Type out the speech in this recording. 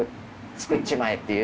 作っちまえっていう。